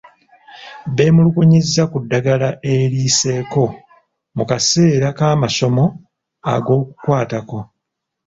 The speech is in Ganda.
Beemulugunyizza ku ddagala eriyiseeko mu kaseera k'amasomo ag'okukwatako.